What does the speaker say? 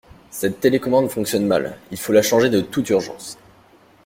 Cette télécommande fonctionne mal, il faut la changer de toute urgence.